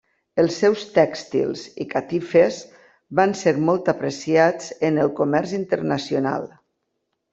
Els seus tèxtils i catifes van ser molt apreciats en el comerç internacional.